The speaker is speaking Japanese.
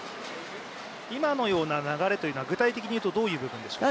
今のような流れというのは具体的にいうとどのような部分でしょうか。